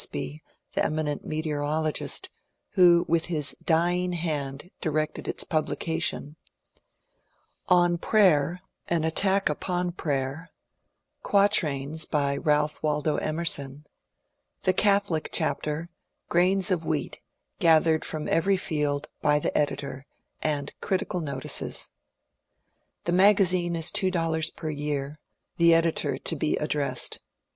Espy, the eminent meteorologist, who with his dying hand directed its publication ;^^ On Prayer," an attack upon prayer ;" Quatrains," by Ralph Waldo Emerson ;" The Catholic Chapter," grains of wheat gathered from every field, by the editor ; and Critical Notices. The magazine is two dollars per year, — the editor to be addressed.